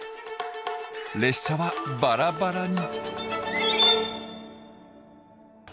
列車はバラバラに。